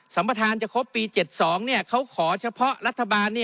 ประธานจะครบปี๗๒เขาขอเฉพาะรัฐบาล